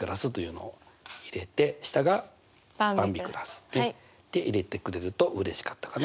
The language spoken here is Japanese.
ばんびクラス。って入れてくれるとうれしかったかな。